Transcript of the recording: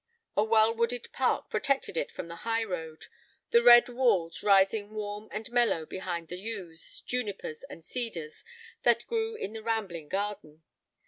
A well wooded park protected it from the high road, the red walls rising warm and mellow behind the yews, junipers, and cedars that grew in the rambling garden.